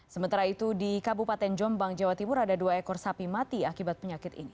sementara itu di kabupaten jombang jawa timur ada dua ekor sapi mati akibat penyakit ini